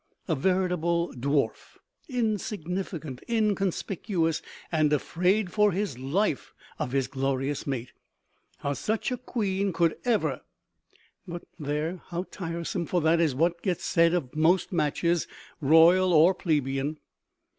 A veritable dwarf; insignificant, inconspicuous and afraid for his life of his glorious mate. How such a queen could ever but there, how tiresome, for that is what gets said of most matches, royal or plebeian.